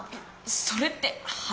それって花？